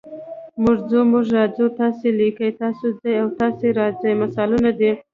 موږ ځو، موږ راځو، تاسې لیکئ، تاسو ځئ او تاسو راځئ مثالونه دي.